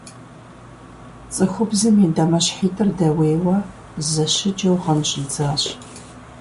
Цӏыхубзым и дамэщхьитӀыр дэуейуэ, зэщыджэу гъын щӀидзащ.